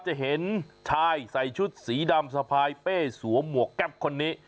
จะเห็นชายใส่ชุดสีดำสะพายเป้สวมหมวกแก๊ปคนนี้